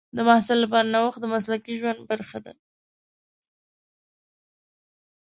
د محصل لپاره نوښت د مسلکي ژوند برخه ده.